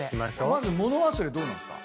まず物忘れどうなんですか？